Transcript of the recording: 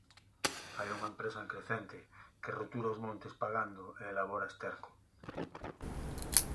Hai unha empresa en Crecente que rotura os montes pagando e elabora esterco.